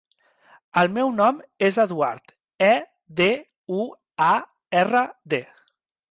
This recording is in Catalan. El meu nom és Eduard: e, de, u, a, erra, de.